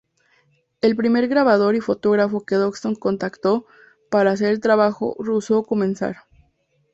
El primer grabador y fotógrafo que Dodgson contactó para hacer el trabajo rehusó comenzar.